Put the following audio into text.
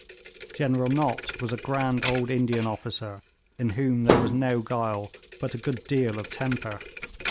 General Nott was a grand old Indian officer, in whom there was no guile, but a good deal of temper.